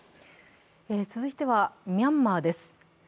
続いてはミャンマーです。